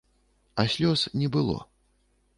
А слёз не было.